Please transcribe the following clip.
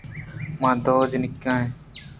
ما دو جِنک ایں